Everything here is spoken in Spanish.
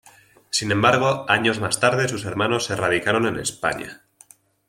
Sin embargo, años más tarde sus hermanos se radicaron en España.